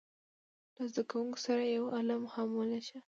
له زده کوونکو سره یې یو عالم هم ولېږه.